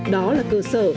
đó là cơ sở